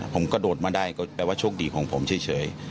ผมกระโดดมาได้ก็แปลว่าโชคดีของผมเฉย